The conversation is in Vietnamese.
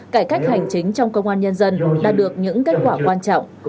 cải cách hành chính trong công an nhân dân đạt được những kết quả quan trọng